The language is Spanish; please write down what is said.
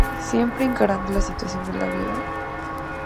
Siempre encarando la situación de la ¿viuda?